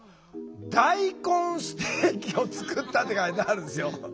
「大根ステーキを作った」って書いてあるんですよ。